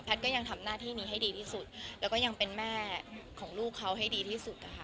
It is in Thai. ก็ยังทำหน้าที่นี้ให้ดีที่สุดแล้วก็ยังเป็นแม่ของลูกเขาให้ดีที่สุดอะค่ะ